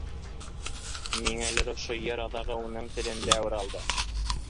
Ниңәлер ошо йыр аҙағы уның телендә уралды.